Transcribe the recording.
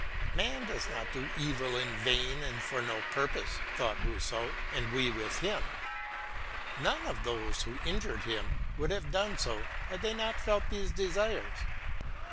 Man does not do evil in vain and for no purpose, thought Rousseau, and we with him ; none of those who injured him would have done so, had they not felt these desires.